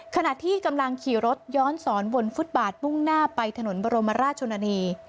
ขณะที่กำลังขี่รถย้อนสอนบนฟุตบาทมุ่งหน้าไปถนนบรมราชชนนี